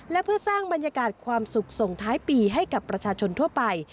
และเพื่อสร้างบรรยากาศความสุขส่งท้ายปีให้กับประชาชนทั่วไป